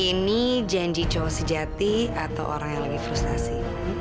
ini janji cowok sejati atau orang yang lebih frustasi